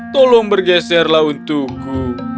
tolong bergeserlah untukku